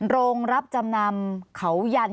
โรงรับจำนำเขายัน